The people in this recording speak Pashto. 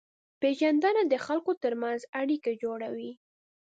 پېژندنه د خلکو ترمنځ اړیکې جوړوي.